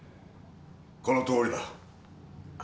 このとおりだ。